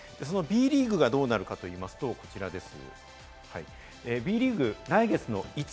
Ｂリーグがどうなるかといいますと、こちらです。